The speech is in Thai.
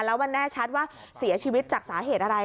แล้วมันแน่ชัดว่าเสียชีวิตจากสาเหตุอะไร